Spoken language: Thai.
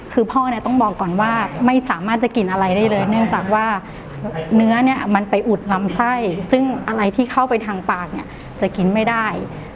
คือพ่อเนี่ยต้องบอกก่อนว่าไม่สามารถจะกินอะไรได้เลยเนื่องจากว่าเนื้อเนี่ยมันไปอุดลำไส้ซึ่งอะไรที่เข้าไปทางปากเนี่ยจะกินไม่ได้